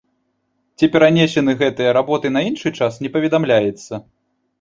Ці перанесены гэтыя работы на іншы час, не паведамляецца.